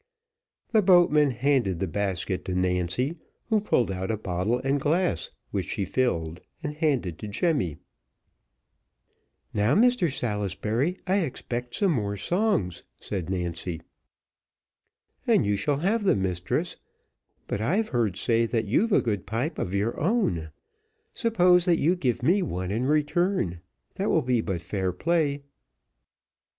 The boatman handed the basket to Nancy, who pulled out a bottle and glass, which she filled, and handed to Jemmy. "Now, Mr Salisbury, I expect some more songs," said Nancy. "And you shall have them, mistress; but I've heard say that you've a good pipe of your own; suppose that you give me one in return, that will be but fair play."